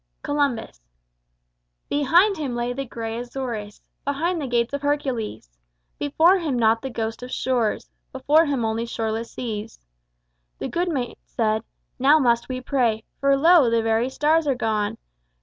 COLUMBUS Behind him lay the gray Azores, Behind the Gates of Hercules; Before him not the ghost of shores, Before him only shoreless seas. The good mate said: "Now must we pray, For lo! the very stars are gone.